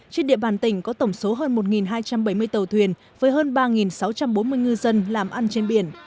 trên địa bàn tỉnh có tổng số hơn một hai trăm bảy mươi tàu thuyền với hơn ba sáu trăm bốn mươi ngư dân làm ăn trên biển